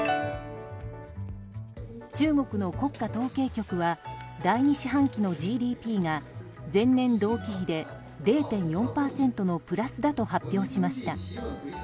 中国の国家統計局は第２四半期のＧＤＰが前年同期比で０．４％のプラスだと発表しました。